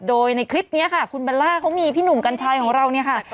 โดยในคลิปนี้ค่ะคุณเบลล่าเขามีพี่หนุ่มกัญชัยของเราเนี่ยค่ะ